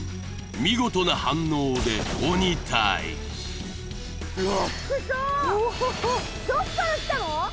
見事な反応で鬼タイジビックリしたどっから来たの？